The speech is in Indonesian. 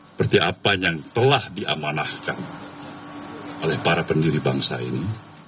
seperti apa yang telah diamanahkan oleh para pendiri bangsa ini